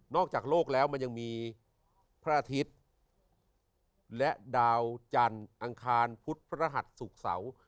นอกจากโลกแล้วมันยังมีพระอาทิตย์และดาวจั่นอังคารพุธพระหัตตร์ถรักษาอาตรีสุขเสา